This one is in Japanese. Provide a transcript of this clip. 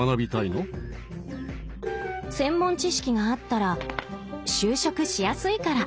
専門知識があったら就職しやすいから。